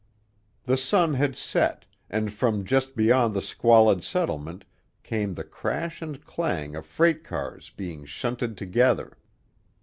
The sun had set, and from just beyond the squalid settlement came the crash and clang of freight cars being shunted together.